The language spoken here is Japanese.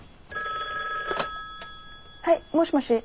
☎はいもしもし。